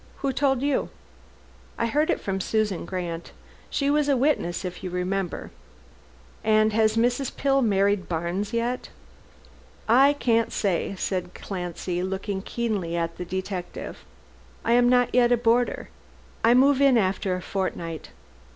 Who told you?" "I heard from Susan Grant. She was witness, if you remember. And has Mrs. Pill married Barnes yet?" "I can't say," said Clancy, looking keenly at the detective. "I am not yet a boarder. I move in after a fortnight.